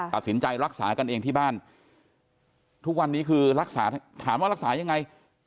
ตัดสินใจรักษากันเองที่บ้านทุกวันนี้คือรักษาถามว่ารักษายังไง